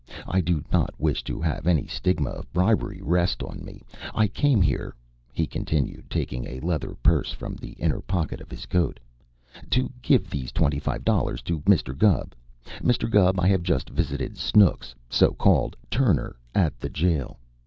I do not wish to have any stigma of bribery rest on me. I came here," he continued, taking a leather purse from the inner pocket of his coat, "to give these twenty five dollars to Mr. Gubb. Mr. Gubb, I have just visited Snooks so called Turner at the jail.